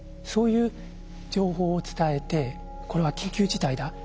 そういう情報を伝えてこれは緊急事態だ。